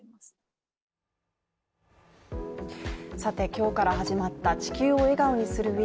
今日から始まった「地球を笑顔にするＷＥＥＫ」